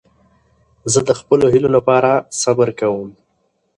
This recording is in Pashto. زه د خپلو هیلو له پاره صبر کوم.